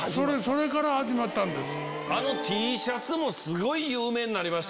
それから始まったんです。